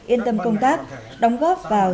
yên tâm công tác đóng góp vào